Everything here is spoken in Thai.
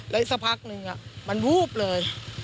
แล้วอีกสักพักนึงมันวูบเลย